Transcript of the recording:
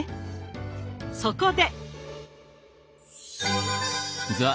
そこで。